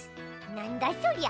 なんだそりゃ？